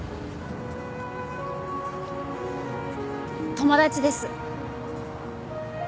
友達です。